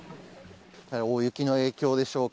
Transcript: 大雪の影響でしょうか。